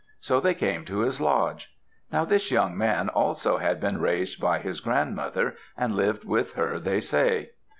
So they came to his lodge. Now this young man also had been raised by his grandmother, and lived with her, they say.